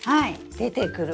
出てくる。